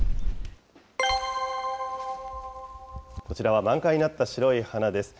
こちらは満開になった白い花です。